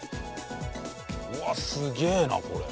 うわっすげえなこれ。